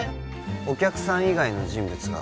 お客さん以外の人物が